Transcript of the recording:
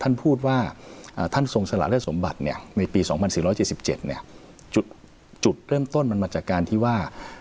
ในปี๒๔๗๗จุดเริ่มต้นมันมาจากการที่ว่า